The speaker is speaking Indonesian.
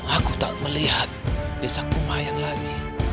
aku tak melihat desa kumayan lagi